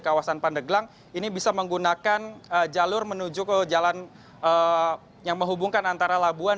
kawasan pandeglang ini bisa menggunakan jalur menuju ke jalan yang menghubungkan antara labuan